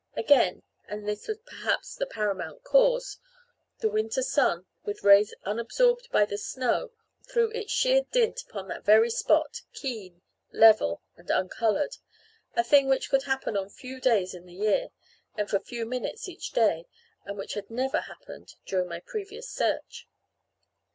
Again and this was perhaps the paramount cause the winter sun, with rays unabsorbed by the snow, threw his sheer dint upon that very spot, keen, level, and uncoloured a thing which could happen on few days in the year, and for few minutes each day, and which never had happened during my previous search.